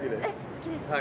好きですか？